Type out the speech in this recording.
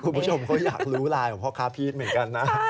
คุณผู้ชมเขาอยากรู้ไลน์ของพ่อค้าพีชเหมือนกันนะ